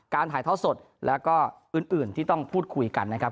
ถ่ายท่อสดแล้วก็อื่นที่ต้องพูดคุยกันนะครับ